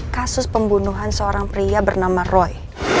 kasus pembunuhan seorang pria bernama roy